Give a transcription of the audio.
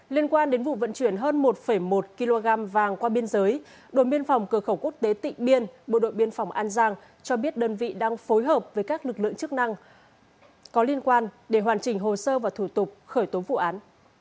liên quan đến vụ vận chuyển hơn một một kg vàng qua biên giới đồn biên phòng cửa khẩu quốc tế tịnh biên bộ đội biên phòng an giang cho biết đơn vị đang phối hợp với các lực lượng chức năng có liên quan để hoàn chỉnh hồ sơ và thủ tục khởi tố vụ án